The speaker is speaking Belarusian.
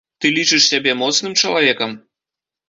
Ты лічыш сябе моцным чалавекам?